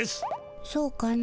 そうかの。